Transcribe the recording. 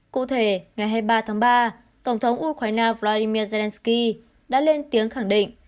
cụ thể ngày hai mươi ba tháng ba tổng thống ukraine vladimir zelensky đã lên tiếng khẳng định